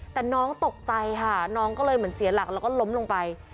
แต่น้องตกใจค่ะน้องก็เลยเหมือนเสียหลักแล้วก็ล้มลงไป